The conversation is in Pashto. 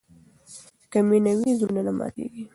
که مینه وي، زړونه نه ماتېږي.